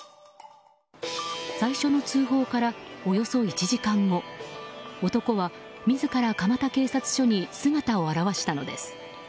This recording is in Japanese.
最初の通報からおよそ１時間後男は自ら蒲田警察署に姿を現したのです。